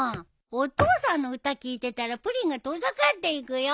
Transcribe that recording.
お父さんの歌聞いてたらプリンが遠ざかっていくよ。